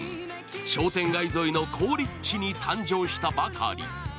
商店街沿いの好立地に誕生したばかり。